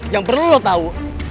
yang perlu lo tahu